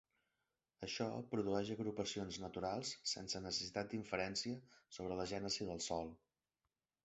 Això produeix agrupacions naturals sense necessitat d'inferència sobre la gènesi del sòl.